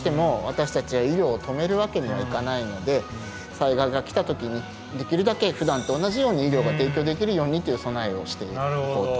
災害が来た時にできるだけふだんと同じように医療が提供できるようにという備えをしていこうと。